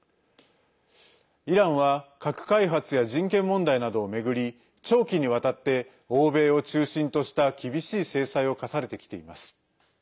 イランは核開発や人権問題などをめぐり長期にわたって欧米を中心とした厳しい制裁を科されてきています。